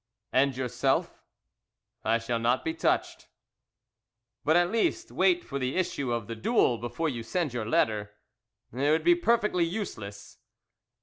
"And yourself?" "I shall not be touched." "But, at least, wait for the issue of the duel, before you send your letter." "It would be perfectly useless."